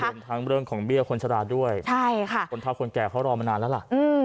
มีเรื่องทั้งเรื่องของเบี้ยคนชะดาดด้วยคนเท่าคนแก่เขารอมานานแล้วล่ะ